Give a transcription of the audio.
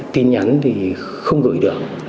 tin nhắn thì không gửi được